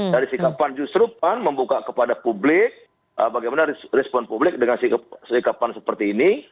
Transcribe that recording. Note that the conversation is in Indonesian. dari sikap pan justru pan membuka kepada publik bagaimana respon publik dengan sikapan seperti ini